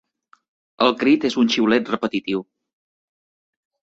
El crit és un xiulet repetitiu.